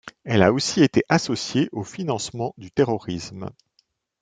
Elle a aussi été associée au financement du terrorisme.